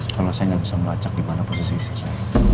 kalau saya gak bisa melacak dimana posisi istri saya